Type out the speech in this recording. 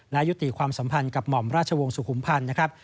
และยุติความสัมพันธ์กับหม่อมราชวงศ์สุขุมพันธ์นะครับ